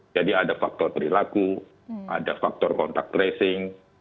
jadi ada faktor perilaku ada faktor kontak tracing